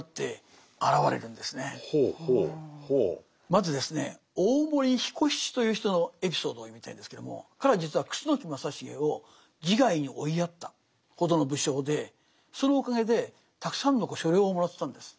まずですね大森彦七という人のエピソードを読みたいんですけども彼は実は楠木正成を自害に追いやったほどの武将でそのおかげでたくさんの所領をもらってたんです。